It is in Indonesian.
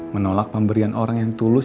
menolak pemberian orang yang tulus